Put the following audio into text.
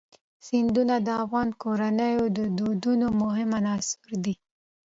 سیندونه د افغان کورنیو د دودونو مهم عنصر دی.